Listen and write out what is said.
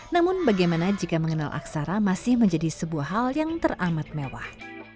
namun bagaimana jika mengenal aksara masih menjadi sebuah hal yang teramat mewah